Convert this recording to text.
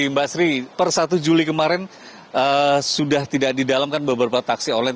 mbak sri per satu juli kemarin sudah tidak di dalam kan beberapa taksi online